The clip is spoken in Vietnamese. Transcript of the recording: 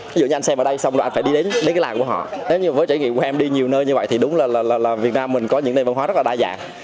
ví dụ như anh xem ở đây xong rồi anh phải đi đến cái làng của họ nếu như với trải nghiệm của em đi nhiều nơi như vậy thì đúng là việt nam mình có những nền văn hóa rất là đa dạng